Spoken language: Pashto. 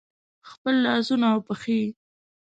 خپل لاسونه او پښې